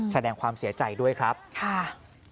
แสดงความเสียใจด้วยครับค่ะ